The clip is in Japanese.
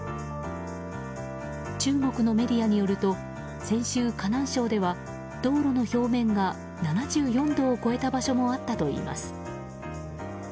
中国のメディアによると先週、河南省では道路の表面が７４度を超えた場所もあったといいます。